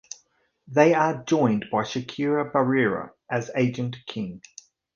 They are joined by Shakira Barrera as Agent King.